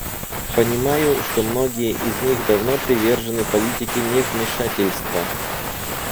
Понимаю, что многие из них давно привержены политике невмешательства.